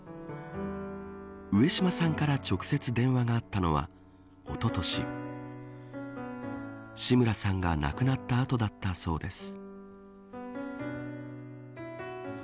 上島さんから直接電話があったのはおととし志村さんが亡くなった後だったそうです。